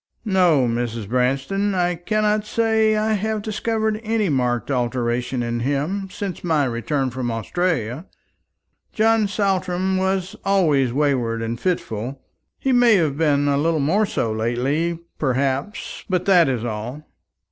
"No, Mrs. Branston, I cannot say that I have discovered any marked alteration in him since my return from Australia. John Saltram was always wayward and fitful. He may have been a little more so lately, perhaps, but that is all."